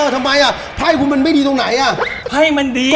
ทำไมอะแภกคุณมันไม่ดีตรงไหนอ่ะแภกมันดี